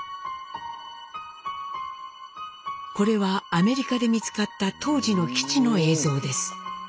これはアメリカで見つかった当時の基地の映像です。